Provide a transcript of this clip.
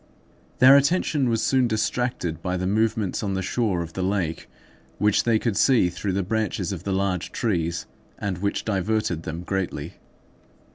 Their attention was soon distracted by the movements on the shore of the lake, which they could see through the branches of the large trees, and which diverted them greatly.